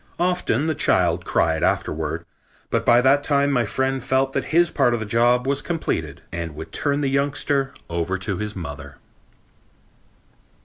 Often the child cried afterward, but by that time my friend felt that his part of the job was completed and would turn the youngster over to her mother.